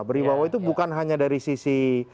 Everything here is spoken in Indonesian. beribawa itu bukan hanya dari sisi